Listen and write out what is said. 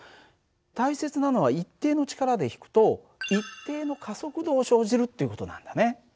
大切なのは一定の力で引くと一定の加速度を生じるっていう事なんだね。